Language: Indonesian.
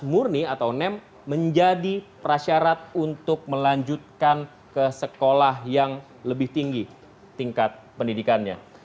murni atau nem menjadi prasyarat untuk melanjutkan ke sekolah yang lebih tinggi tingkat pendidikannya